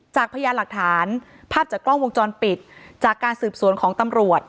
พยานหลักฐานภาพจากกล้องวงจรปิดจากการสืบสวนของตำรวจ